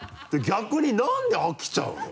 逆に何で飽きちゃうの？